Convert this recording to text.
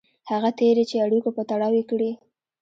هغه تېري چې اړیکو په تړاو یې کړي.